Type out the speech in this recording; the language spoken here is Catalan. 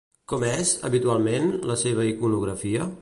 Com és, habitualment, la seva iconografia?